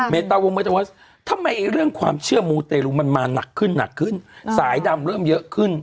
เมนตาวงเมนเจาะทำไมเรื่องความเชื่อมูตรรุมันมาหนักขึ้นสายดำเริ่มเยอะขึ้น